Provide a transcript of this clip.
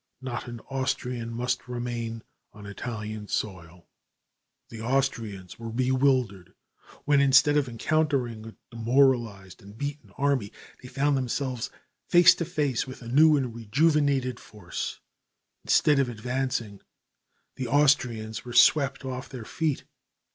Not an Austrian must remain on Italian soil. The Austrians were bewildered when, instead of encountering a demoralized and beaten army, they found themselves face to face with a new and rejuvenated force. Instead of advancing, the Austrians were swept off their feet.